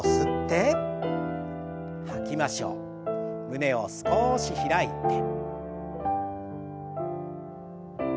胸を少し開いて。